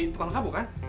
tukang sabu kan